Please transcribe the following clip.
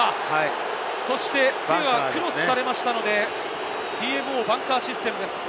手がクロスされましたので、ＴＭＯバンカーシステムです。